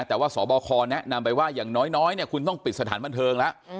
แต่ว่าสบคแนะนำไปว่าอย่างน้อยเนี่ยคุณต้องปิดสถานบันเทิงแล้ว